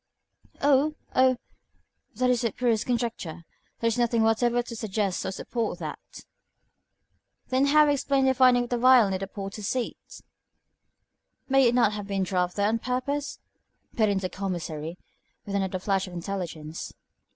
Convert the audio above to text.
"Oh! oh! That is the purest conjecture. There is nothing whatever to suggest or support that." "Then how explain the finding of the vial near the porter's seat?" "May it not have been dropped there on purpose?" put in the Commissary, with another flash of intelligence.